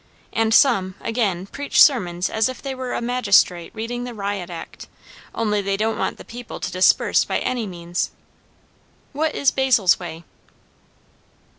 And some, again, preach sermons as if they were a magistrate reading the Riot Act, only they don't want the people to disperse by any means. What is Basil's way?"